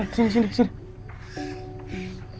eh sini sini